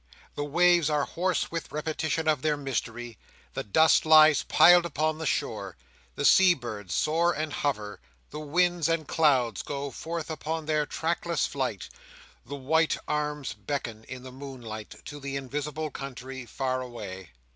The waves are hoarse with repetition of their mystery; the dust lies piled upon the shore; the sea birds soar and hover; the winds and clouds go forth upon their trackless flight; the white arms beckon, in the moonlight, to the invisible country far away.